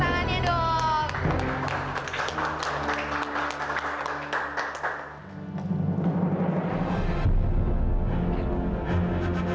saya sadar dengan neneknya